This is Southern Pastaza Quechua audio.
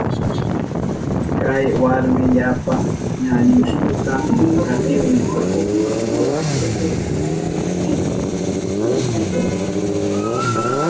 Kay warmi yapa ñañustuta takihun.